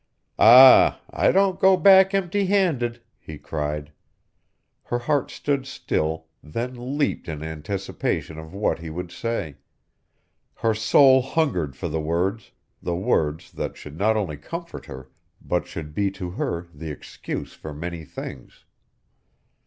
"Ah, I don't go back empty handed!" he cried. Her heart stood still, then leaped in anticipation of what he would say. Her soul hungered for the words, the words that should not only comfort her, but should be to her the excuse for many things.